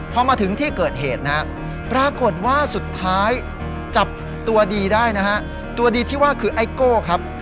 พอมาถึงที่เกิดเหตุนะฮะปรากฏว่าสุดท้ายจับตัวดีได้นะฮะตัวดีที่ว่าคือไอโก้ครับ